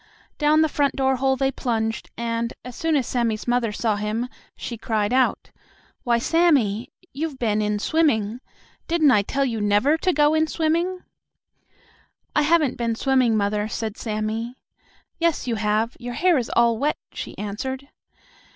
Down the front door hole they plunged, and, as soon as Sammie's mother saw him, she cried out: "Why, Sammie! You've been in swimming! Didn't I tell you never to go in swimming?" "I haven't been swimming, mother," said Sammie. "Yes, you have; your hair is all wet," she answered.